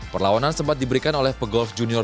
perlawanan sempat diberikan oleh pegolf junior